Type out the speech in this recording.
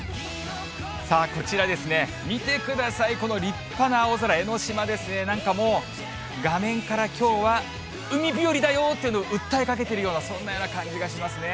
さあ、こちらですね、見てください、この立派な青空、江の島ですね、なんかもう、画面からきょうは海日和だよって、訴えかけているような、そんなような感じがしますね。